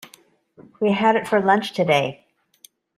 We had it for lunch today.